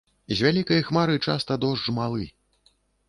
З вялікай хмары часта дождж малы.